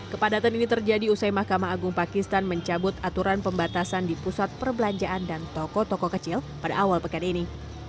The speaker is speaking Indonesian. kepadatan ini terjadi usai mahkamah agung pakistan mencabut aturan pembatasan di pusat perbelanjaan dan toko toko kecil pada awal pekan ini